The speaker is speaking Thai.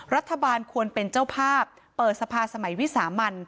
รัฐบาลควรเป็นเจ้าภาพเปิดสภาสมัยวิสามัน